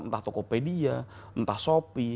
entah tokopedia entah shopee